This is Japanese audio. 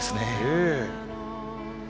ええ。